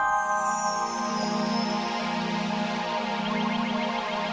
ayah ayah berani